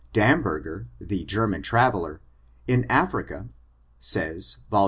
Damberger, the Ger man traveler, in Africa, says, vol.